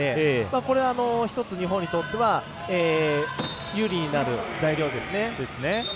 これは１つ日本にとっては有利になる材料ですね。